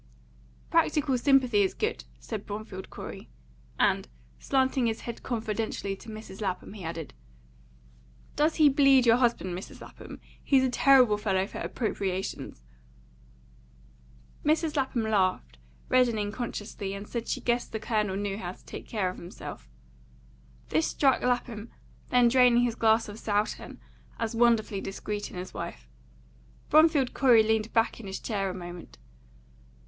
"Practical sympathy is good," said Bromfield Corey; and, slanting his head confidentially to Mrs. Lapham, he added, "Does he bleed your husband, Mrs. Lapham? He's a terrible fellow for appropriations!" Mrs. Lapham laughed, reddening consciously, and said she guessed the Colonel knew how to take care of himself. This struck Lapham, then draining his glass of sauterne, as wonderfully discreet in his wife. Bromfield Corey leaned back in his chair a moment.